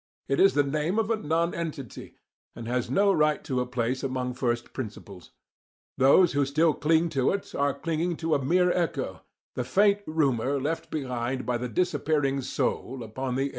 It is the name of a nonentity, and has no right to a place among first principles. Those who still cling to it are clinging to a mere echo, the faint rumour left behind by the disappearing 'soul' upon the air of philosophy"(p.